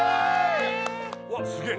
わっすげえ